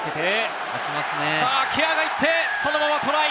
ケアが行って、そのままトライ！